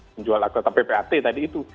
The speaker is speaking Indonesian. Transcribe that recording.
menjual aktor ppat tadi itu